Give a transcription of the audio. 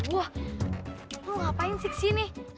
wah lo ngapain sih di sini